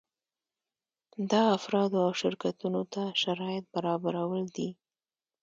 دا افرادو او شرکتونو ته شرایط برابرول دي.